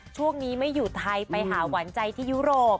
ช่วงนี้ไม่อยู่ไทยไปหาหวานใจที่ยุโรป